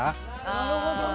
なるほどね。